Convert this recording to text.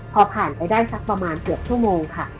พอผ่านไปได้สักประมาณเกือบชั่วโมงค่ะ